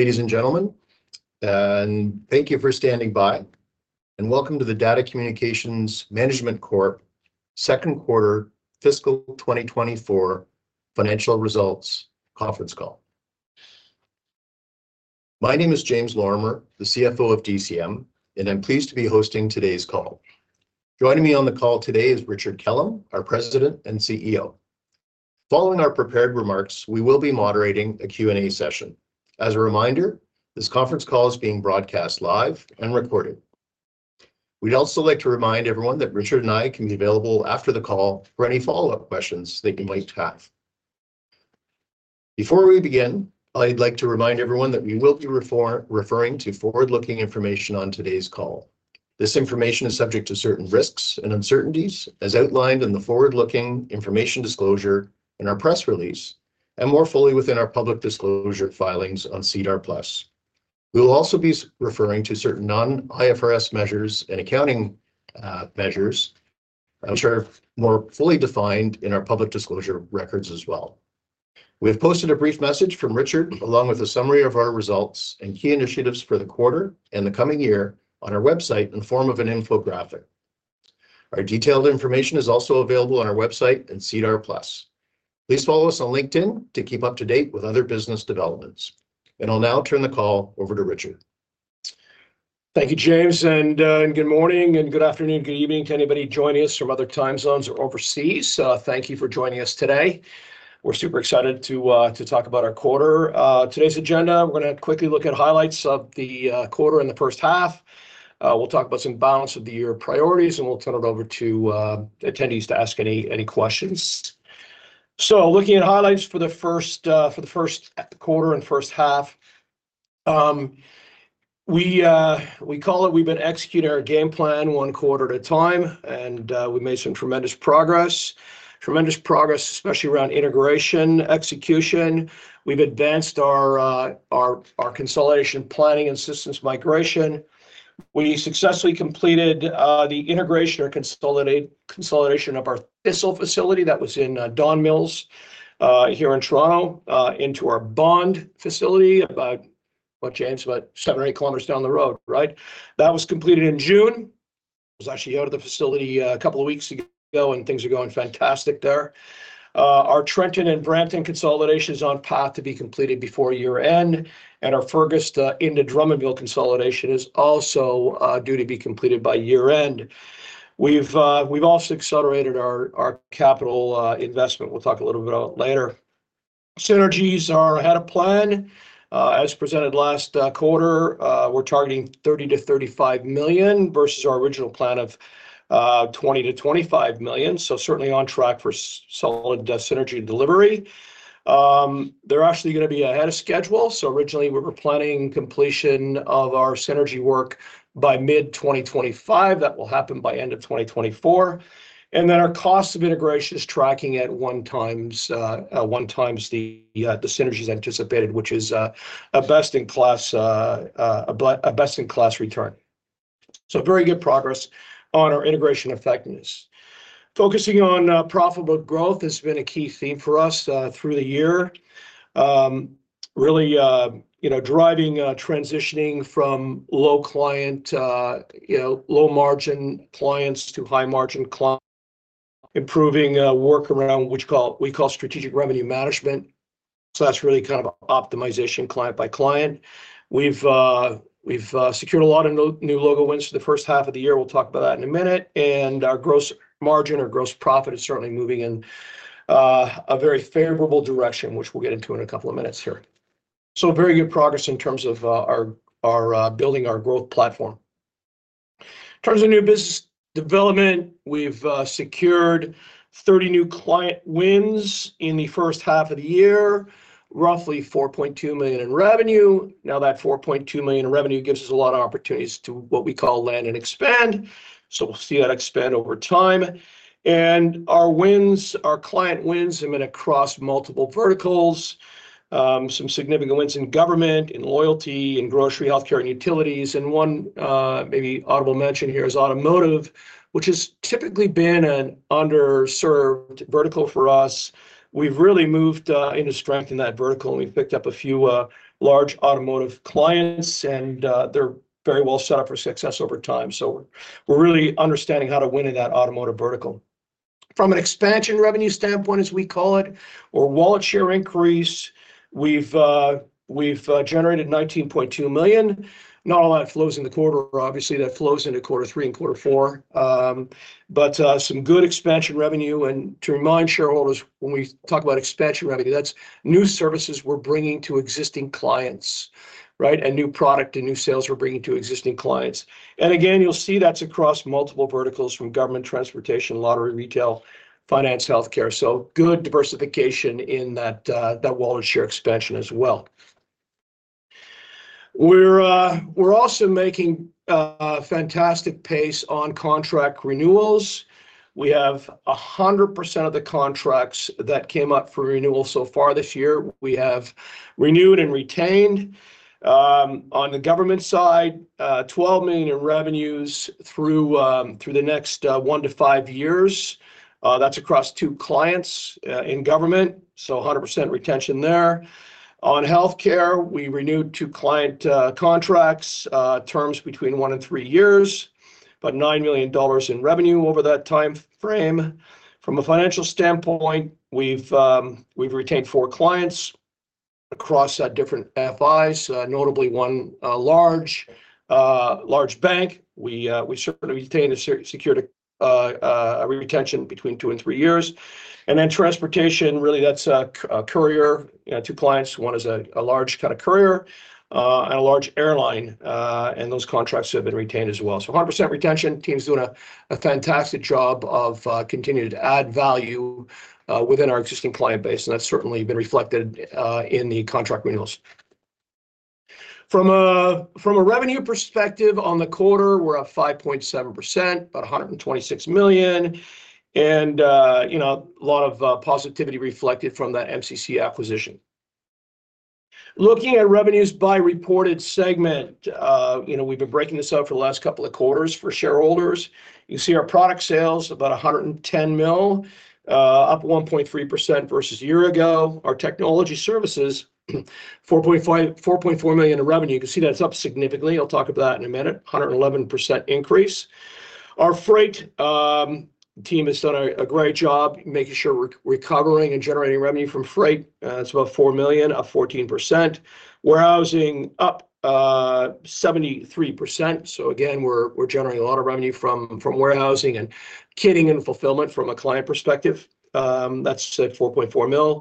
Ladies and gentlemen, and thank you for standing by, and welcome to the Data Communications Management Corp. second quarter fiscal 2024 financial results conference call. My name is James Lorimer, the CFO of DCM, and I'm pleased to be hosting today's call. Joining me on the call today is Richard Kellam, our President and CEO. Following our prepared remarks, we will be moderating a Q&A session. As a reminder, this conference call is being broadcast live and recorded. We'd also like to remind everyone that Richard and I can be available after the call for any follow-up questions that you might have. Before we begin, I'd like to remind everyone that we will be referring to forward-looking information on today's call. This information is subject to certain risks and uncertainties, as outlined in the forward-looking information disclosure in our press release, and more fully within our public disclosure filings on SEDAR+. We will also be referring to certain non-IFRS measures and accounting measures, which are more fully defined in our public disclosure records as well. We've posted a brief message from Richard, along with a summary of our results and key initiatives for the quarter and the coming year, on our website in the form of an infographic. Our detailed information is also available on our website and SEDAR+. Please follow us on LinkedIn to keep up to date with other business developments. I'll now turn the call over to Richard. Thank you, James, and good morning, and good afternoon, good evening to anybody joining us from other time zones or overseas. Thank you for joining us today. We're super excited to talk about our quarter. Today's agenda, we're gonna quickly look at highlights of the quarter and the first half. We'll talk about some balance of the year priorities, and we'll turn it over to attendees to ask any, any questions. So looking at highlights for the first quarter and first half, we call it, we've been executing our game plan one quarter at a time, and we've made some tremendous progress. Tremendous progress, especially around integration, execution. We've advanced our consolidation planning and systems migration. We successfully completed the integration or consolidation of our Thistle facility that was in Don Mills here in Toronto into our Vaughan facility, about, what, James? About 7 or 8 kilometers down the road, right? That was completed in June. I was actually out of the facility a couple of weeks ago, and things are going fantastic there. Our Trenton and Brampton consolidation is on path to be completed before year-end, and our Fergus into Drummondville consolidation is also due to be completed by year-end. We've also accelerated our capital investment. We'll talk a little bit about it later. Synergies are ahead of plan. As presented last quarter, we're targeting 30 million-35 million, versus our original plan of 20 million-25 million, so certainly on track for solid synergy delivery. They're actually gonna be ahead of schedule. So originally, we were planning completion of our synergy work by mid 2025. That will happen by end of 2024. And then our cost of integration is tracking at 1x the synergies anticipated, which is a best-in-class return. So very good progress on our integration effectiveness. Focusing on profitable growth has been a key theme for us through the year. Really, you know, driving transitioning from low client, you know, low-margin clients to high-margin client, improving work around which we call strategic revenue management. So that's really kind of optimization client by client. We've secured a lot of new logo wins for the first half of the year. We'll talk about that in a minute. Our gross margin or gross profit is certainly moving in a very favorable direction, which we'll get into in a couple of minutes here. Very good progress in terms of our building our growth platform. In terms of new business development, we've secured 30 new client wins in the first half of the year, roughly 4.2 million in revenue. Now, that 4.2 million in revenue gives us a lot of opportunities to what we call land and expand, so we'll see that expand over time. Our wins, our client wins have been across multiple verticals, some significant wins in government, in loyalty, in grocery, healthcare, and utilities. One, maybe honorable mention here is automotive, which has typically been an underserved vertical for us. We've really moved into strength in that vertical, and we've picked up a few large automotive clients, and they're very well set up for success over time. So we're really understanding how to win in that automotive vertical. From an expansion revenue standpoint, as we call it, or wallet share increase, we've generated 19.2 million. Not all that flows in the quarter, obviously, that flows into quarter three and quarter four. But some good expansion revenue. And to remind shareholders, when we talk about expansion revenue, that's new services we're bringing to existing clients, right? A new product and new sales we're bringing to existing clients. And again, you'll see that's across multiple verticals, from government, transportation, lottery, retail, finance, healthcare. So good diversification in that wallet share expansion as well. We're also making fantastic pace on contract renewals. We have 100% of the contracts that came up for renewal so far this year. We have renewed and retained on the government side, 12 million in revenues through the next one to five years. That's across two clients in government, so 100% retention there. On healthcare, we renewed two client contracts, terms between one and three years, about 9 million dollars in revenue over that time frame. From a financial standpoint, we've retained four clients across different FIs, notably one large bank. We certainly secured a retention between two and three years. And then transportation, really, that's a courier, two clients. One is a large kind of courier, and a large airline, and those contracts have been retained as well. So 100% retention, team's doing a fantastic job of continuing to add value within our existing client base, and that's certainly been reflected in the contract renewals. From a revenue perspective on the quarter, we're up 5.7%, about 126 million, and you know, a lot of positivity reflected from that MCC acquisition. Looking at revenues by reported segment, you know, we've been breaking this out for the last couple of quarters for shareholders. You can see our product sales, about 110 million, up 1.3% versus a year ago. Our technology services, 4.4 million in revenue. You can see that's up significantly. I'll talk about that in a minute, 111% increase. Our freight team has done a great job making sure we're recovering and generating revenue from freight. It's about 4 million, up 14%. Warehousing up 73%. So again, we're generating a lot of revenue from warehousing and kitting and fulfillment from a client perspective. That's at 4.4 million.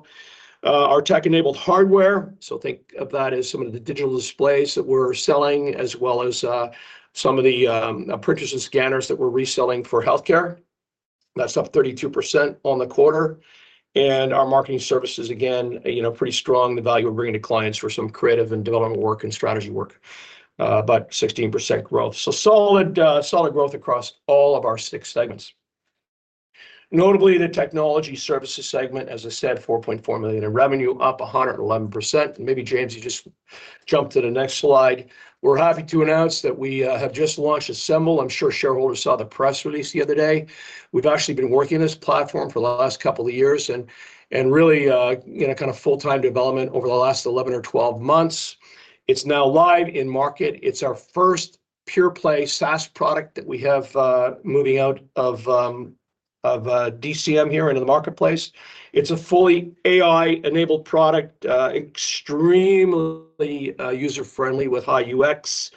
Our tech-enabled hardware, so think of that as some of the digital displays that we're selling, as well as some of the purchases and scanners that we're reselling for healthcare. That's up 32% on the quarter. And our marketing services, again, you know, pretty strong, the value we're bringing to clients for some creative and development work and strategy work, about 16% growth. So solid, solid growth across all of our six segments. Notably, the technology services segment, as I said, 4.4 million in revenue, up 111%. Maybe, James, you just jump to the next slide. We're happy to announce that we have just launched ASMBL. I'm sure shareholders saw the press release the other day. We've actually been working on this platform for the last couple of years and really, you know, kind of full-time development over the last 11 or 12 months. It's now live in market. It's our first pure play SaaS product that we have moving out of DCM here into the marketplace. It's a fully AI-enabled product, extremely user-friendly with high UX.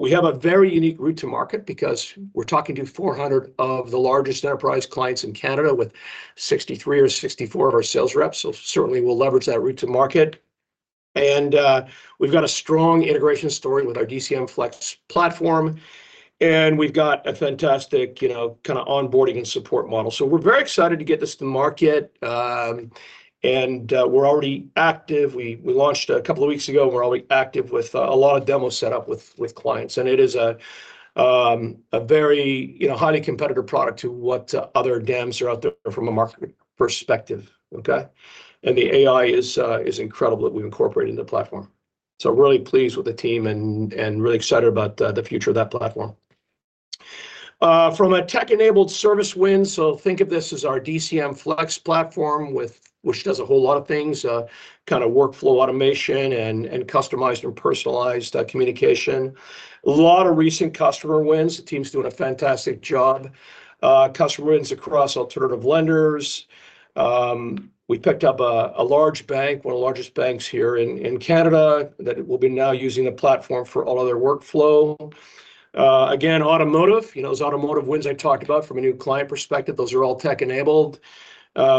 We have a very unique route to market because we're talking to 400 of the largest enterprise clients in Canada with 63 or 64 of our sales reps, so certainly we'll leverage that route to market. And we've got a strong integration story with our DCM Flex platform, and we've got a fantastic, you know, kinda onboarding and support model. So we're very excited to get this to market, and we're already active. We launched a couple of weeks ago, and we're already active with a lot of demos set up with clients. And it is a very, you know, highly competitive product to what other DAMs are out there from a marketing perspective. Okay? And the AI is incredible that we've incorporated in the platform. So we're really pleased with the team and really excited about the future of that platform. From a tech-enabled service win, so think of this as our DCM Flex platform, which does a whole lot of things, kinda workflow automation and customized and personalized communication. A lot of recent customer wins. The team's doing a fantastic job. Customer wins across alternative lenders. We picked up a large bank, one of the largest banks here in Canada, that will be now using the platform for all other workflow. Again, automotive, you know, those automotive wins I talked about from a new client perspective, those are all tech-enabled.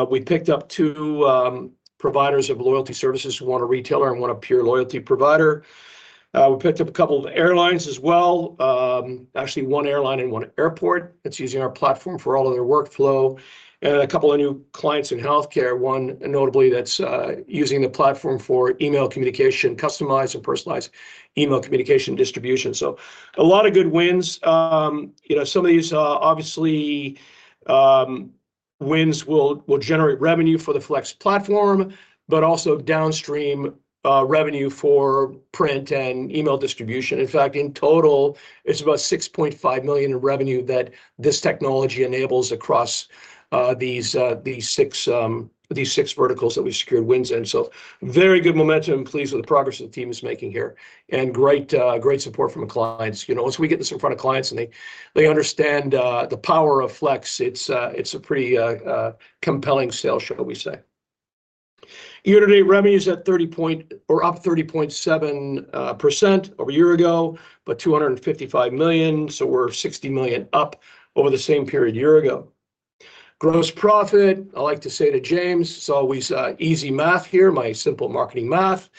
We picked up two providers of loyalty services, one a retailer and one a pure loyalty provider. We picked up a couple of airlines as well, actually one airline and one airport that's using our platform for all of their workflow, and a couple of new clients in healthcare. One, notably, that's using the platform for email communication, customized and personalized email communication distribution. So a lot of good wins. You know, some of these, obviously, wins will generate revenue for the Flex platform, but also downstream revenue for print and email distribution. In fact, in total, it's about 6.5 million in revenue that this technology enables across these six verticals that we've secured wins in. So very good momentum, pleased with the progress that the team is making here, and great support from the clients. You know, once we get this in front of clients and they, they understand, the power of Flex, it's, it's a pretty, compelling sales show, we say. Year-to-date revenue is at thirty point or up 30.7% over a year ago, but 255 million, so we're 60 million up over the same period year ago. Gross profit, I like to say to James, it's always, easy math here, my simple marketing math.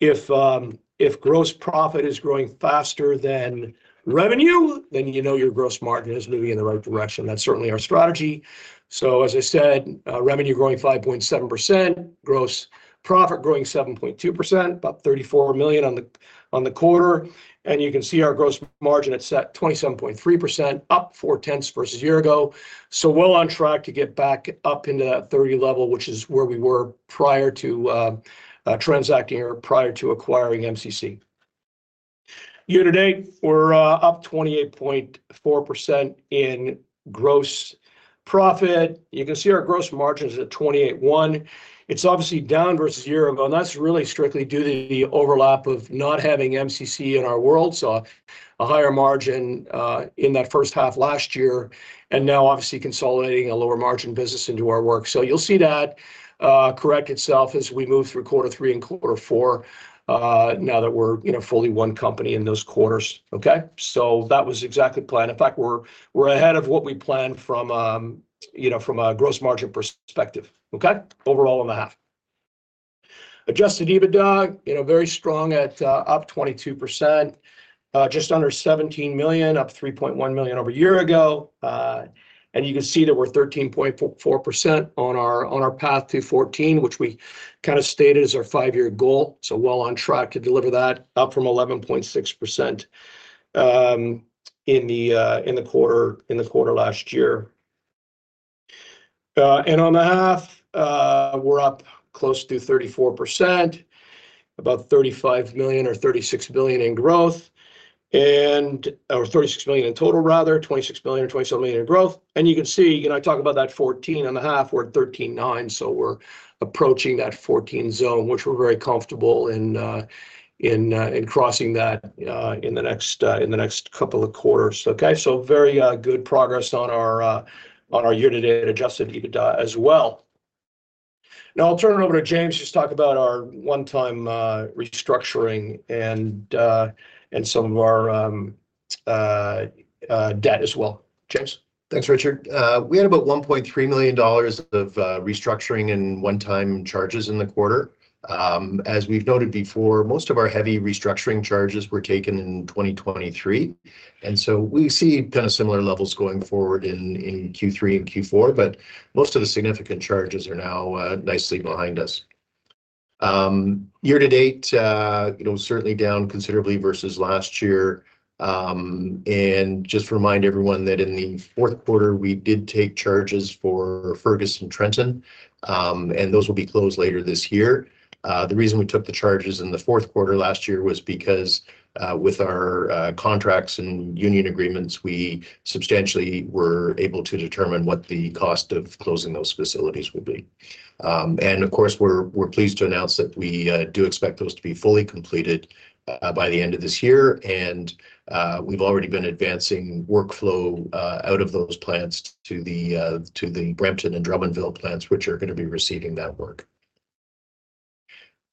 If, if gross profit is growing faster than revenue, then you know your gross margin is moving in the right direction. That's certainly our strategy. So as I said, revenue growing 5.7%, gross profit growing 7.2%, about 34 million on the, on the quarter. You can see our gross margin; it's at 27.3%, up 0.4 versus a year ago. So well on track to get back up into that 30 level, which is where we were prior to transacting or prior to acquiring MCC. Year-to-date, we're up 28.4% in gross profit. You can see our gross margin is at 28.1. It's obviously down versus year, but that's really strictly due to the overlap of not having MCC in our world. So a higher margin in that first half last year, and now obviously consolidating a lower margin business into our work. So you'll see that correct itself as we move through quarter three and quarter four, now that we're, you know, fully one company in those quarters. Okay? So that was exactly the plan. In fact, we're ahead of what we planned from, you know, from a gross margin perspective, okay, overall on the half. Adjusted EBITDA, you know, very strong at, up 22%, just under 17 million, up 3.1 million over a year ago. And you can see that we're 13.4% on our, on our path to 14, which we kind of stated as our five-year goal, so well on track to deliver that up from 11.6%, in the quarter last year. And on the half, we're up close to 34%, about 35 million or 36 million in growth, and or 36 million in total, rather, 26 million or 27 million in growth. You can see, you know, I talk about that 14.5, we're at 13.9, so we're approaching that 14 zone, which we're very comfortable in crossing that in the next couple of quarters. Okay? So very good progress on our year-to-date Adjusted EBITDA as well. Now I'll turn it over to James to just talk about our one-time restructuring and some of our debt as well. James? Thanks, Richard. We had about 1.3 million dollars of restructuring and one-time charges in the quarter. As we've noted before, most of our heavy restructuring charges were taken in 2023, and so we see kind of similar levels going forward in Q3 and Q4, but most of the significant charges are now nicely behind us. Year to date, you know, certainly down considerably versus last year. And just to remind everyone that in the fourth quarter, we did take charges for Fergus and Trenton, and those will be closed later this year. The reason we took the charges in the fourth quarter last year was because with our contracts and union agreements, we substantially were able to determine what the cost of closing those facilities would be. Of course, we're pleased to announce that we do expect those to be fully completed by the end of this year, and we've already been advancing workflow out of those plants to the Brampton and Drummondville plants, which are gonna be receiving that work.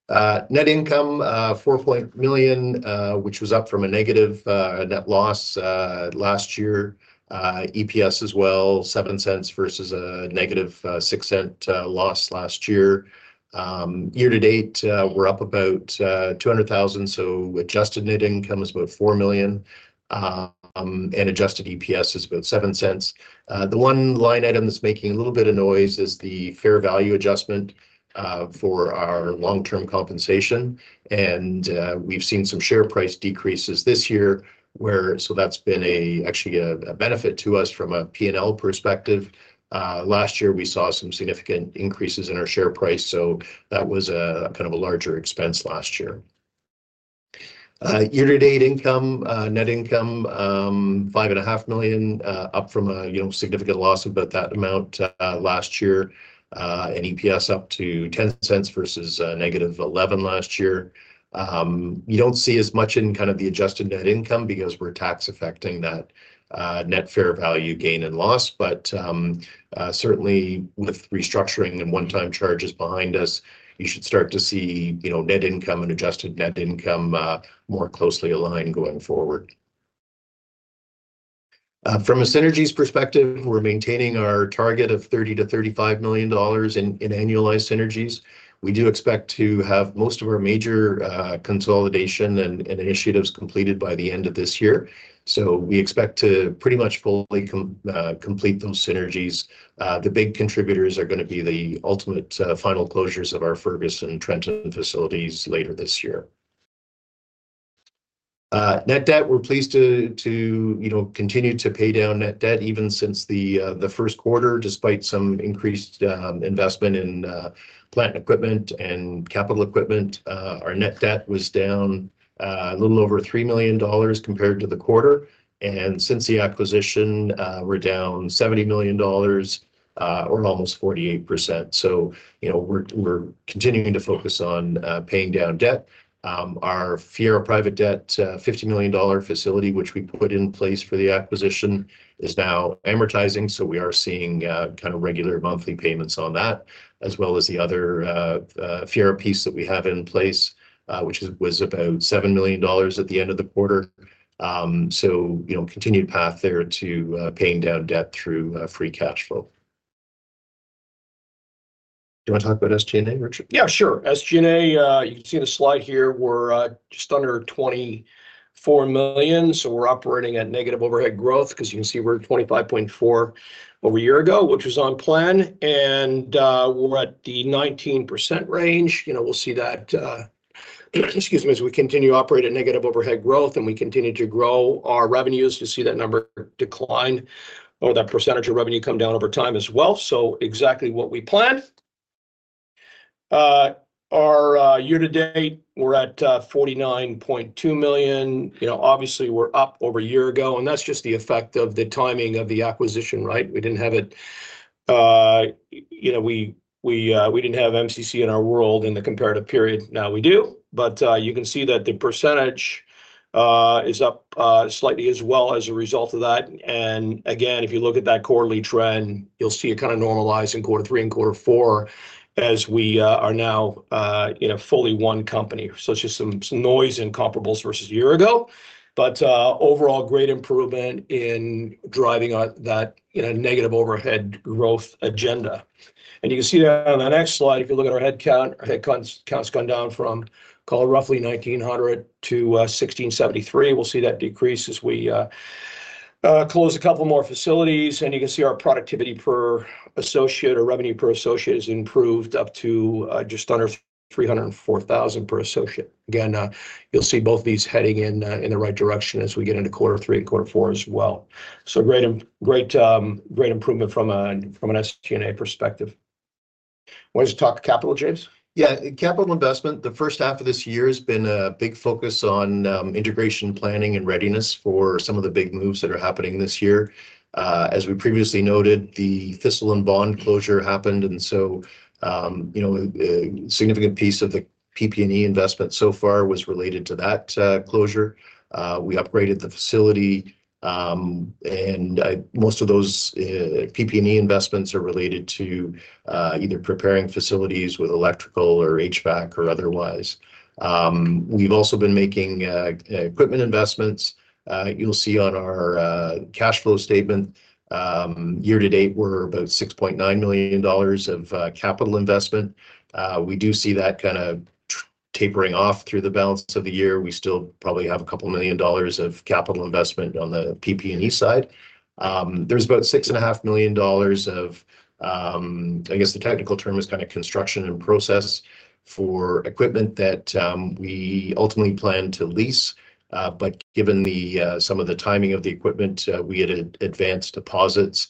Net income 4 million, which was up from a negative net loss last year. EPS as well, 0.07 versus a negative 0.06 loss last year. Year to date, we're up about 200,000, so adjusted net income is about 4 million, and adjusted EPS is about 0.07. The one line item that's making a little bit of noise is the fair value adjustment for our long-term compensation, and we've seen some share price decreases this year, where... So that's been actually a benefit to us from a P&L perspective. Last year, we saw some significant increases in our share price, so that was kind of a larger expense last year. Year-to-date income, net income, 5.5 million, up from a, you know, significant loss of about that amount last year, and EPS up to 0.10 versus negative 0.11 last year. You don't see as much in kind of the adjusted net income because we're tax affecting that net fair value gain and loss, but certainly with restructuring and one-time charges behind us, you should start to see, you know, net income and adjusted net income more closely aligned going forward. From a synergies perspective, we're maintaining our target of 30-35 million dollars in annualized synergies. We do expect to have most of our major consolidation and initiatives completed by the end of this year. So we expect to pretty much fully complete those synergies. The big contributors are gonna be the ultimate final closures of our Fergus and Trenton facilities later this year. Net Debt, we're pleased to you know, continue to pay down Net Debt even since the first quarter, despite some increased investment in plant equipment and capital equipment. Our Net Debt was down a little over 3 million dollars compared to the quarter, and since the acquisition, we're down 70 million dollars, or almost 48%. So, you know, we're continuing to focus on paying down debt. Our Fiera Private Debt 50 million dollar facility, which we put in place for the acquisition, is now amortizing, so we are seeing kind of regular monthly payments on that, as well as the other Fiera piece that we have in place, which was about 7 million dollars at the end of the quarter. So, you know, continued path there to paying down debt through free cash flow. Do you want to talk about SG&A, Richard? Yeah, sure. SG&A, you can see the slide here, we're just under 24 million, so we're operating at negative overhead growth, 'cause you can see we're at 25.4 million over a year ago, which was on plan, and we're at the 19% range. You know, we'll see that, excuse me, as we continue to operate at negative overhead growth, and we continue to grow our revenues to see that number decline or that percentage of revenue come down over time as well. So exactly what we planned. Our year-to-date, we're at 49.2 million. You know, obviously, we're up over a year ago, and that's just the effect of the timing of the acquisition, right? We didn't have it. You know, we didn't have MCC in our world in the comparative period. Now we do, but, you can see that the percentage is up slightly as well as a result of that. And again, if you look at that quarterly trend, you'll see it kind of normalize in quarter three and quarter four as we are now, you know, fully one company. So it's just some, some noise in comparables versus a year ago, but overall, great improvement in driving on that in a negative overhead growth agenda. And you can see that on the next slide. If you look at our headcount, our headcount count's gone down from roughly 1,900 to 1,673. We'll see that decrease as we close a couple more facilities. And you can see our productivity per associate or revenue per associate has improved up to just under 304,000 per associate. Again, you'll see both these heading in, in the right direction as we get into quarter three and quarter four as well. So great improvement from an SG&A perspective. Want to just talk capital, James? Yeah. Capital investment, the first half of this year has been a big focus on, integration, planning, and readiness for some of the big moves that are happening this year. As we previously noted, the Thistle and Vaughan closure happened, and so, a significant piece of the PP&E investment so far was related to that, closure. We upgraded the facility, and most of those PP&E investments are related to either preparing facilities with electrical or HVAC or otherwise. We've also been making equipment investments. You'll see on our cash flow statement, year to date, we're about 6.9 million dollars of capital investment. We do see that kinda tapering off through the balance of the year. We still probably have 2 million dollars of capital investment on the PP&E side. There's about 6.5 million dollars of, I guess the technical term is kinda construction and process for equipment that we ultimately plan to lease. But given the some of the timing of the equipment, we had advanced deposits.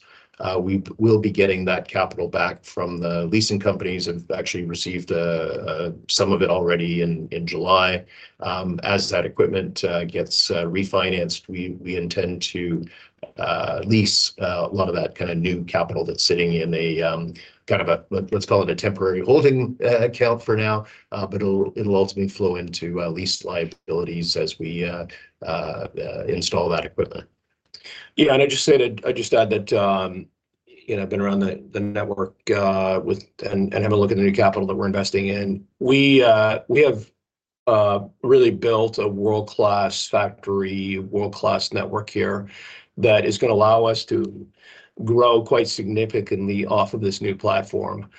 We will be getting that capital back from the leasing companies. Have actually received some of it already in July. As that equipment gets refinanced, we intend to lease a lot of that kind of new capital that's sitting in a kind of a, let's call it a temporary holding account for now, but it'll ultimately flow into lease liabilities as we install that equipment. Yeah, and I'd just say that, I'd just add that, you know, I've been around the network and have a look at the new capital that we're investing in. We have really built a world-class factory, world-class network here that is gonna allow us to grow quite significantly off of this new platform.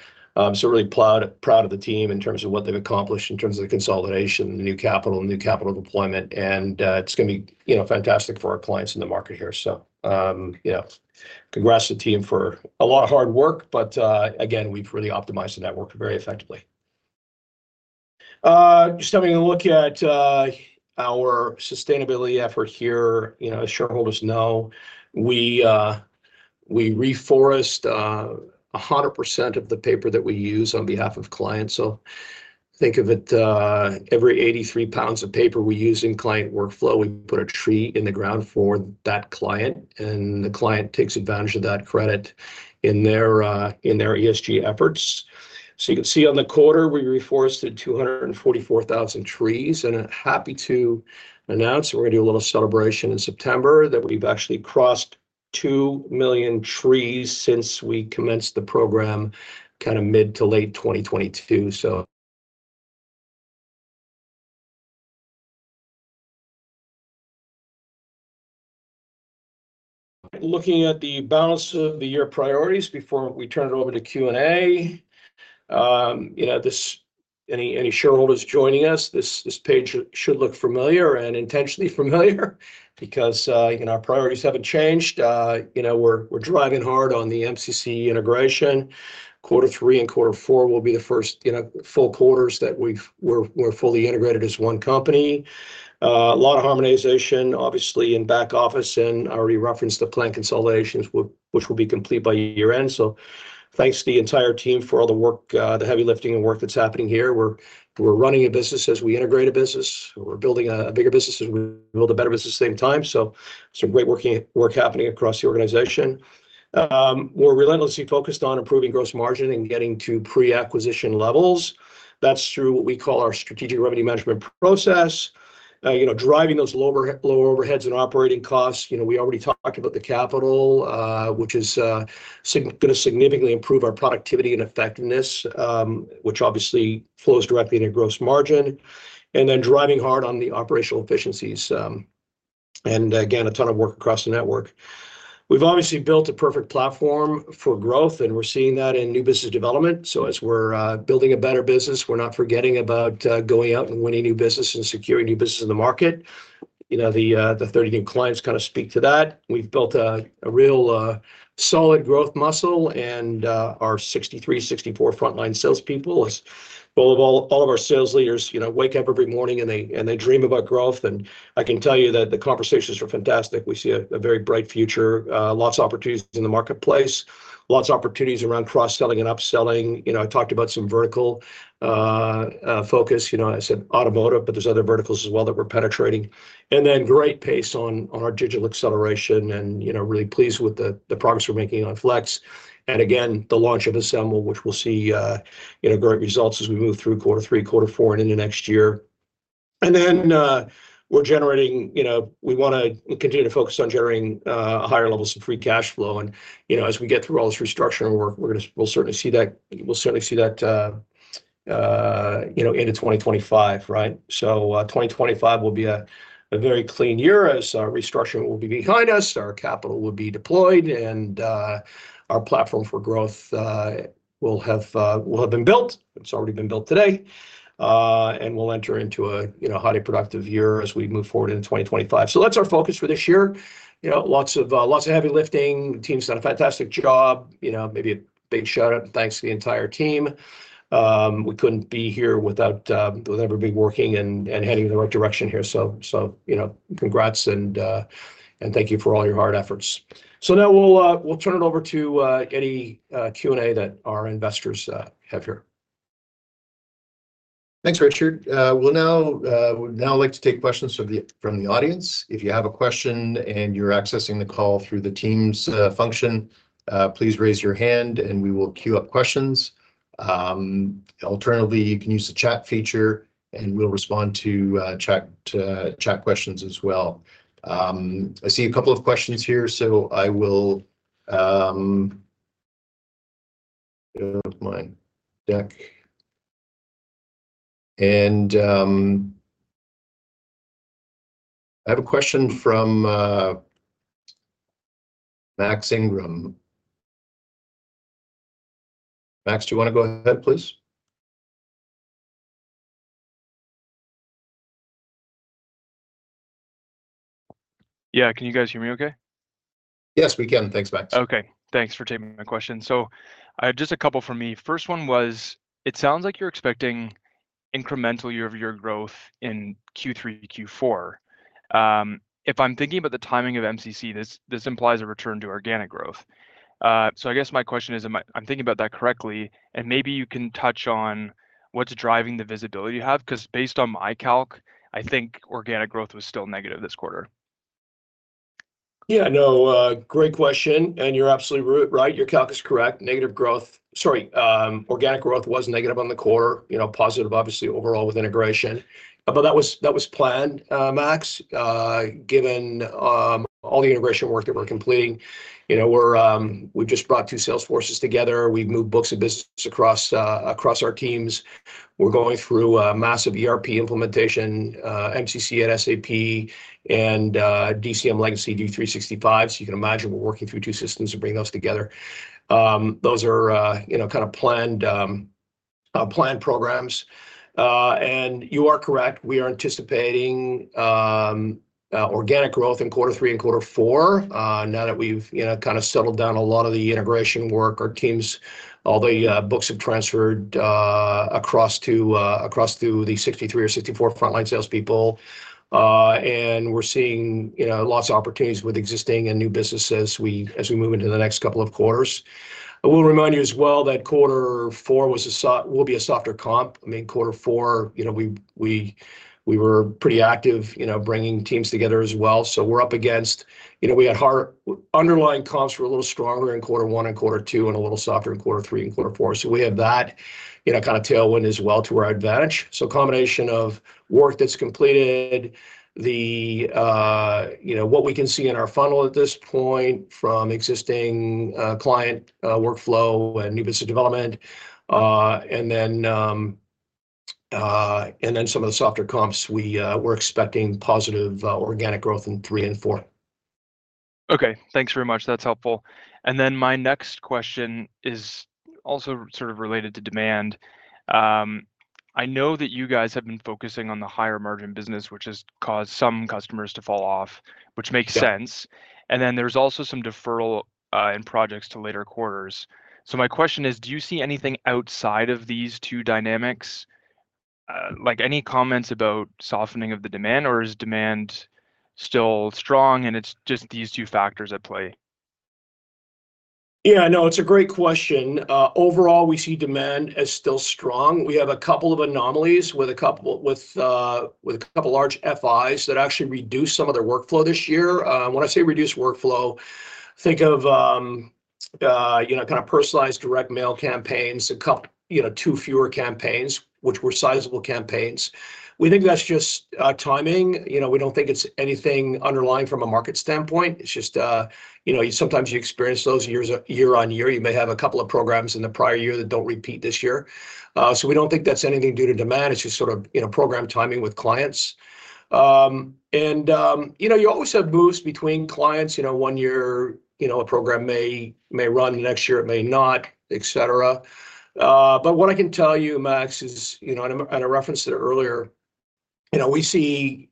So really proud of the team in terms of what they've accomplished, in terms of the consolidation, the new capital, new capital deployment, and it's gonna be, you know, fantastic for our clients in the market here. So, yeah, congrats to the team for a lot of hard work, but again, we've really optimized the network very effectively. Just having a look at our sustainability effort here, you know, as shareholders know, we reforest 100% of the paper that we use on behalf of clients. So think of it, every 83 pounds of paper we use in client workflow, we put a tree in the ground for that client, and the client takes advantage of that credit in their ESG efforts. So you can see on the quarter, we reforested 244,000 trees, and I'm happy to announce we're gonna do a little celebration in September that we've actually crossed 2 million trees since we commenced the program, kinda mid to late 2022. Looking at the balance of the year priorities before we turn it over to Q&A. You know, any shareholders joining us, this page should look familiar and intentionally familiar, because, you know, our priorities haven't changed. You know, we're driving hard on the MCC integration. Quarter three and quarter four will be the first full quarters that we're fully integrated as one company. A lot of harmonization, obviously, in back office, and I already referenced the plant consolidations, which will be complete by year-end. So thanks to the entire team for all the work, the heavy lifting and work that's happening here. We're running a business as we integrate a business. We're building a bigger business as we build a better business at the same time. So some great work happening across the organization. We're relentlessly focused on improving gross margin and getting to pre-acquisition levels. That's through what we call our strategic revenue management process. You know, driving those lower overheads and operating costs, you know, we already talked about the capital, which is gonna significantly improve our productivity and effectiveness, which obviously flows directly into gross margin, and then driving hard on the operational efficiencies. And again, a ton of work across the network. We've obviously built a perfect platform for growth, and we're seeing that in new business development. So as we're building a better business, we're not forgetting about going out and winning new business and securing new business in the market. You know, the 30 new clients kinda speak to that. We've built a real solid growth muscle, and our 63, 64 frontline salespeople, as well as all of our sales leaders, you know, wake up every morning and they dream about growth. And I can tell you that the conversations are fantastic. We see a very bright future, lots of opportunities in the marketplace.... lots of opportunities around cross-selling and upselling. You know, I talked about some vertical focus. You know, I said automotive, but there's other verticals as well that we're penetrating. And then great pace on our digital acceleration and, you know, really pleased with the progress we're making on Flex. And again, the launch of ASMBL, which we'll see, you know, great results as we move through quarter three, quarter four, and into next year. And then, we're generating... You know, we wanna continue to focus on generating higher levels of free cash flow. And, you know, as we get through all this restructuring work, we're gonna- we'll certainly see that- we'll certainly see that, you know, into 2025, right? So, 2025 will be a very clean year, as our restructuring will be behind us, our capital will be deployed, and our platform for growth will have been built. It's already been built today. And we'll enter into a, you know, highly productive year as we move forward into 2025. So that's our focus for this year. You know, lots of lots of heavy lifting. The team's done a fantastic job. You know, maybe a big shout-out and thanks to the entire team. We couldn't be here without everybody working and heading in the right direction here. So, you know, congrats and thank you for all your hard efforts. So now we'll turn it over to any Q&A that our investors have here. Thanks, Richard. We'll now, would now like to take questions from the audience. If you have a question and you're accessing the call through the Teams function, please raise your hand, and we will queue up questions. Alternatively, you can use the chat feature, and we'll respond to chat questions as well. I see a couple of questions here, so I will go to my deck. And, I have a question from Max Ingram. Max, do you wanna go ahead, please? Yeah. Can you guys hear me okay? Yes, we can. Thanks, Max. Okay. Thanks for taking my question. So I have just a couple from me. First one was, it sounds like you're expecting incremental year-over-year growth in Q3, Q4. If I'm thinking about the timing of MCC, this implies a return to organic growth. So I guess my question is, am I thinking about that correctly, and maybe you can touch on what's driving the visibility you have? Because based on my calc, I think organic growth was still negative this quarter. Yeah, I know. Great question, and you're absolutely right. Your calc is correct. Negative growth... Sorry, organic growth was negative on the quarter, you know, positive, obviously, overall with integration. But that was, that was planned, Max, given all the integration work that we're completing. You know, we've just brought two sales forces together. We've moved books of business across, across our teams. We're going through a massive ERP implementation, MCC and SAP, and DCM Legacy D365. So you can imagine we're working through two systems to bring those together. Those are, you know, kind of planned, planned programs. And you are correct, we are anticipating organic growth in quarter three and quarter four. Now that we've, you know, kind of settled down a lot of the integration work, our teams, all the books have transferred across to the 63 or 64 frontline salespeople. And we're seeing, you know, lots of opportunities with existing and new businesses as we move into the next couple of quarters. I will remind you as well that quarter four will be a softer comp. I mean, quarter four, you know, we were pretty active, you know, bringing teams together as well. So we're up against... You know, underlying comps were a little stronger in quarter one and quarter two, and a little softer in quarter three and quarter four. So we have that, you know, kind of tailwind as well to our advantage. So combination of work that's completed, you know, what we can see in our funnel at this point from existing client workflow and new business development, and then some of the softer comps, we're expecting positive organic growth in 3 and 4. Okay. Thanks very much. That's helpful. And then my next question is also sort of related to demand. I know that you guys have been focusing on the higher-margin business, which has caused some customers to fall off, which makes sense. Yeah. And then there's also some deferral in projects to later quarters. So my question is, do you see anything outside of these two dynamics? Like, any comments about softening of the demand, or is demand still strong, and it's just these two factors at play? Yeah, no, it's a great question. Overall, we see demand as still strong. We have a couple of anomalies with a couple of large FIs that actually reduced some of their workflow this year. When I say reduced workflow, think of, you know, kind of personalized direct mail campaigns, you know, two fewer campaigns, which were sizable campaigns. We think that's just, timing. You know, we don't think it's anything underlying from a market standpoint. It's just, you know, sometimes you experience those years, year-on-year. You may have a couple of programs in the prior year that don't repeat this year. So we don't think that's anything due to demand. It's just sort of, you know, program timing with clients. And, you know, you always have boosts between clients. You know, one year, you know, a program may run, the next year it may not, et cetera. But what I can tell you, Max, is, you know, and I referenced it earlier, you know, we see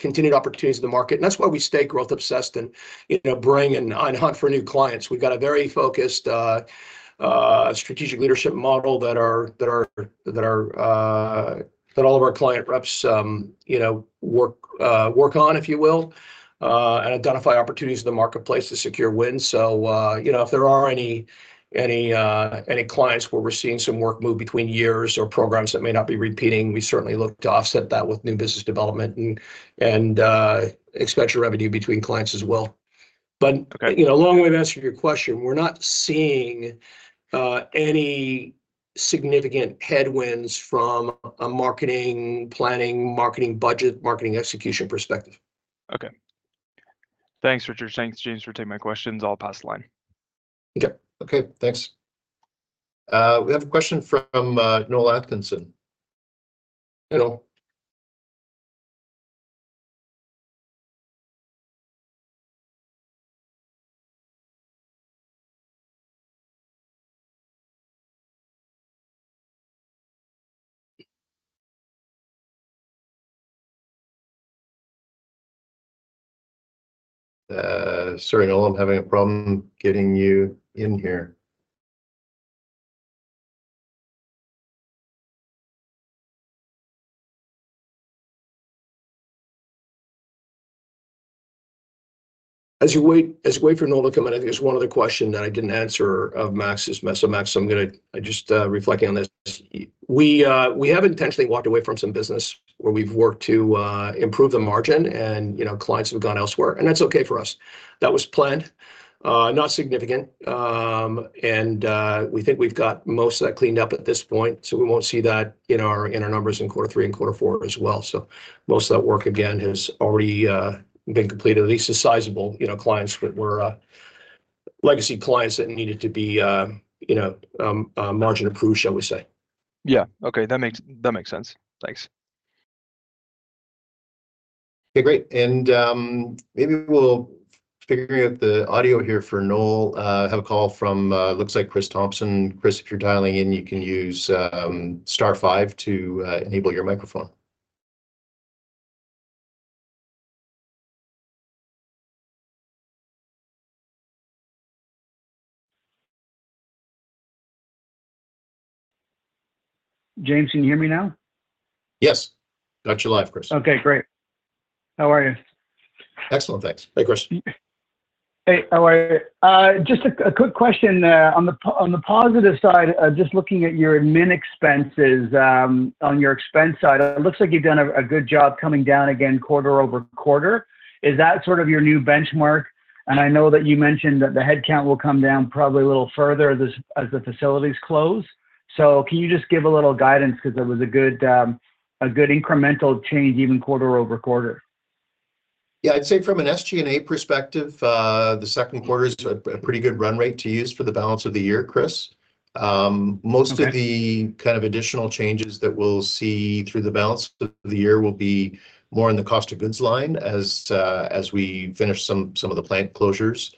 continued opportunities in the market, and that's why we stay growth-obsessed and, you know, bring and hunt for new clients. We've got a very focused strategic leadership model that all of our client reps, you know, work on, if you will... and identify opportunities in the marketplace to secure wins. So, you know, if there are any clients where we're seeing some work move between years or programs that may not be repeating, we certainly look to offset that with new business development and expenditure revenue between clients as well. But- Okay. You know, along the way to answer your question, we're not seeing any significant headwinds from a marketing planning, marketing budget, marketing execution perspective. Okay. Thanks, Richard. Thanks, James, for taking my questions. I'll pass the line. Okay. Okay, thanks. We have a question from Noel Atkinson. Hello. Sorry, Noel, I'm having a problem getting you in here. As you wait for Noel to come in, I think there's one other question that I didn't answer of Max's. So, Max, I'm gonna... I just reflecting on this. We have intentionally walked away from some business where we've worked to improve the margin, and, you know, clients have gone elsewhere, and that's okay for us. That was planned, not significant. And we think we've got most of that cleaned up at this point, so we won't see that in our numbers in quarter three and quarter four as well. So most of that work, again, has already been completed, at least the sizable, you know, clients that were legacy clients that needed to be, you know, margin approved, shall we say? Yeah. Okay, that makes, that makes sense. Thanks. Okay, great. And maybe we'll figure out the audio here for Noel. Have a call from looks like Chris Thompson. Chris, if you're dialing in, you can use star five to enable your microphone. James, can you hear me now? Yes, got you live, Chris. Okay, great. How are you? Excellent, thanks. Hey, Chris. Hey, how are you? Just a quick question on the positive side, just looking at your admin expenses on your expense side. It looks like you've done a good job coming down again quarter-over-quarter. Is that sort of your new benchmark? And I know that you mentioned that the head count will come down probably a little further as the facilities close. So can you just give a little guidance? Because it was a good incremental change, even quarter-over-quarter. Yeah, I'd say from an SG&A perspective, the second quarter is a pretty good run rate to use for the balance of the year, Chris. Okay... most of the kind of additional changes that we'll see through the balance of the year will be more on the cost of goods line, as we finish some of the plant closures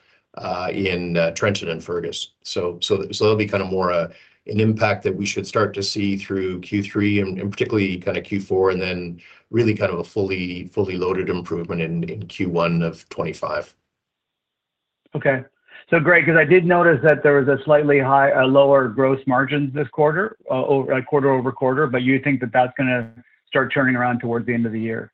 in Trenton and Fergus. So that'll be kind of more an impact that we should start to see through Q3 and particularly kind of Q4, and then really kind of a fully loaded improvement in Q1 of 2025. Okay. So great, 'cause I did notice that there was a slightly high, lower Gross Margin this quarter, quarter-over-quarter, but you think that that's gonna start turning around towards the end of the year?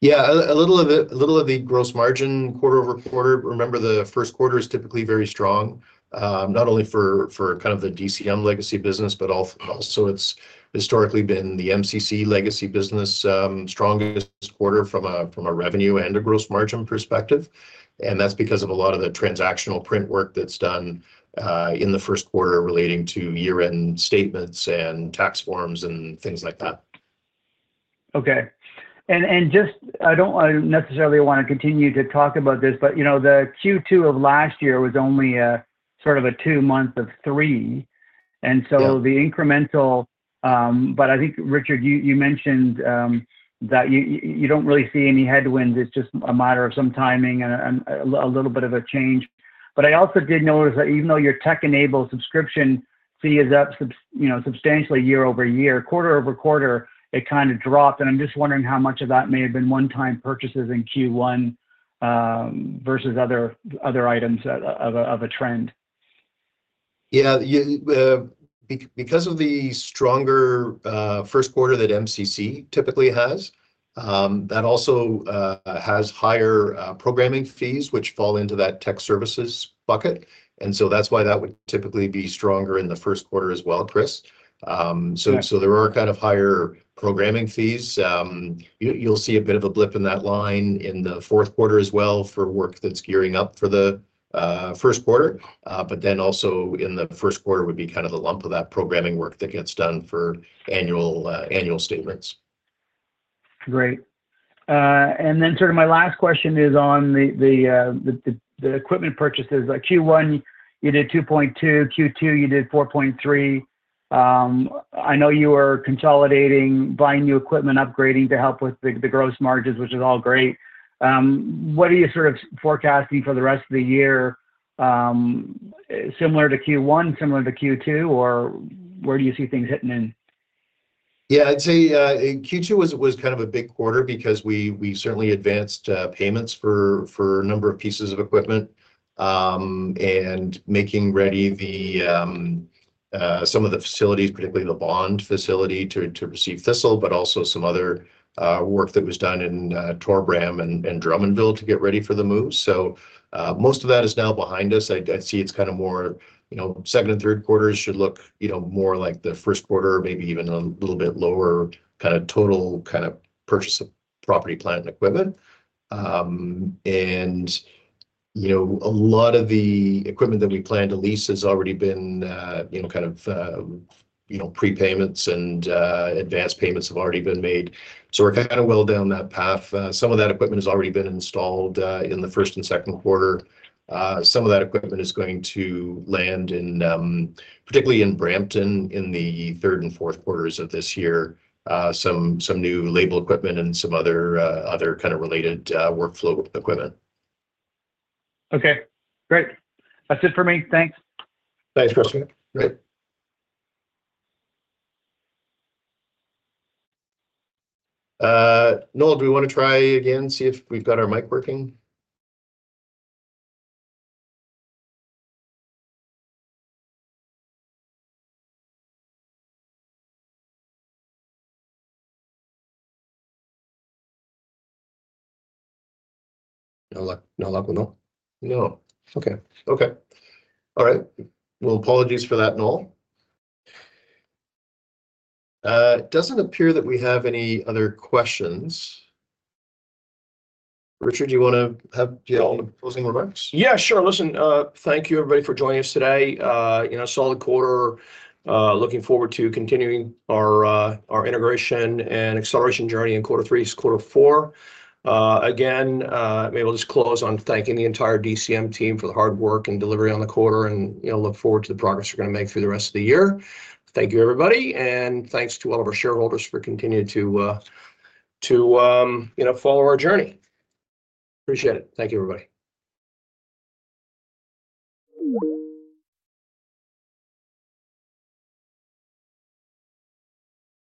Yeah, a little of the gross margin quarter-over-quarter. Remember, the first quarter is typically very strong, not only for kind of the DCM legacy business, but also it's historically been the MCC legacy business, strongest quarter from a revenue and a gross margin perspective, and that's because of a lot of the transactional print work that's done in the first quarter relating to year-end statements and tax forms, and things like that. Okay, and just... I don't necessarily want to continue to talk about this, but, you know, the Q2 of last year was only a sort of a two month of three. Yeah. But I think, Richard, you don't really see any headwinds. It's just a matter of some timing and a little bit of a change. But I also did notice that even though your tech-enabled subscription fee is up, you know, substantially year-over-year, quarter-over-quarter, it kind of dropped. And I'm just wondering how much of that may have been one-time purchases in Q1 versus other items of a trend? Yeah, you, because of the stronger first quarter that MCC typically has, that also has higher programming fees, which fall into that tech services bucket. And so that's why that would typically be stronger in the first quarter as well, Chris. So- Right... so there are kind of higher programming fees. You, you'll see a bit of a blip in that line in the fourth quarter as well for work that's gearing up for the first quarter. But then also in the first quarter would be kind of the lump of that programming work that gets done for annual annual statements. Great. And then sort of my last question is on the equipment purchases. Like Q1, you did 2.2, Q2, you did 4.3. I know you are consolidating, buying new equipment, upgrading to help with the gross margins, which is all great. What are you sort of forecasting for the rest of the year? Similar to Q1, similar to Q2, or where do you see things hitting in? Yeah, I'd say Q2 was kind of a big quarter because we certainly advanced payments for a number of pieces of equipment and making ready some of the facilities, particularly the Bond facility, to receive Thistle, but also some other work that was done in Torbram and Drummondville to get ready for the move. So, most of that is now behind us. I see it's kind of more, you know, second and third quarters should look, you know, more like the first quarter, maybe even a little bit lower kind of total kind of purchase of property, plant, and equipment. And, you know, a lot of the equipment that we planned to lease has already been, you know, kind of prepayments and advanced payments have already been made. So we're kind of well down that path. Some of that equipment has already been installed in the first and second quarter. Some of that equipment is going to land in, particularly in Brampton, in the third and fourth quarters of this year. Some new label equipment and some other kind of related workflow equipment. Okay, great. That's it for me. Thanks. Thanks, Christopher. Great. Noel, do we wanna try again, see if we've got our mic working? No luck with Noel? No. Okay. Okay. All right. Well, apologies for that, Noel. It doesn't appear that we have any other questions. Richard, do you wanna have- Yeah... closing remarks? Yeah, sure. Listen, thank you everybody for joining us today. You know, solid quarter. Looking forward to continuing our, our integration and acceleration journey in quarter three, quarter four. Again, maybe I'll just close on thanking the entire DCM team for the hard work and delivery on the quarter and, you know, look forward to the progress we're gonna make through the rest of the year. Thank you, everybody, and thanks to all of our shareholders for continuing to, to, you know, follow our journey. Appreciate it. Thank you, everybody.